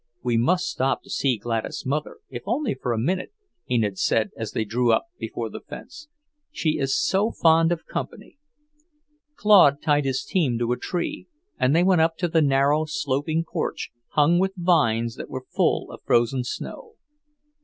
"We must stop to see Gladys' mother, if only for a minute," Enid said as they drew up before the fence. "She is so fond of company." Claude tied his team to a tree, and they went up to the narrow, sloping porch, hung with vines that were full of frozen snow.